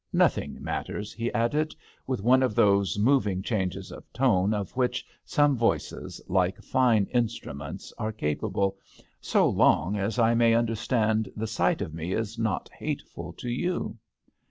Nothing matters," he added, with one of those moving changes of tone of which some voices, like fine instruments, are capable, '^80 long as I may understand the sight of me is not hateful to you."